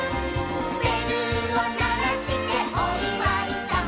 「べるをならしておいわいだ」